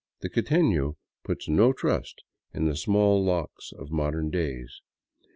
The quiteiio puts no trust in the small locks of modern days.